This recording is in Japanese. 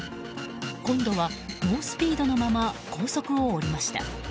今度は猛スピードのまま高速を降りました。